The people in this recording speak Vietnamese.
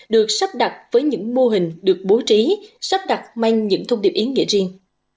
được sắp đặt với những mô hình được bố trí sắp đặt manh những thông điệp ý nghĩa riêng